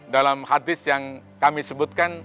dalam hadis yang kami sebutkan